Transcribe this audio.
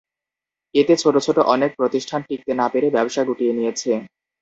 এতে ছোট ছোট অনেক প্রতিষ্ঠান টিকতে না পেরে ব্যবসা গুটিয়ে নিয়েছে।